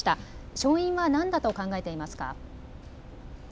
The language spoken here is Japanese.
勝因は何だと考えていますか。